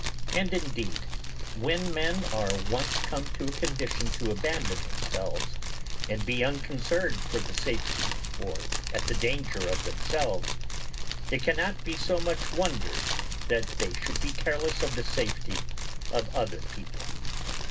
And indeed, when men are once come to a condition to abandon themselves, and be unconcerned for the safety or at the danger of themselves, it cannot be so much wondered that they should be careless of the safety of other people.